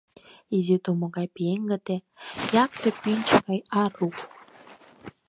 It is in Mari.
Изи тумо гай пеҥгыде, якте пӱнчӧ гай ару!